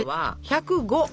１０５！